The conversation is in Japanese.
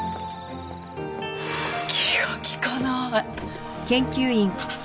気が利かない。